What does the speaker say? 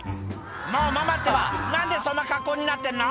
「もうママってば何でそんな格好になってるの？」